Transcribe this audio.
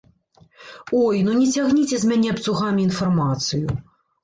Ой, ну не цягніце з мяне абцугамі інфармацыю!